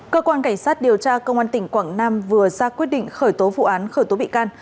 cơ quan cảnh sát điều tra công an tỉnh quảng nam vừa ra quyết định khởi tố vụ án khởi tố bị can